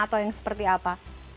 atau yang seperti apa